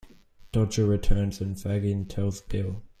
Dodger returns and Fagin tells Bill.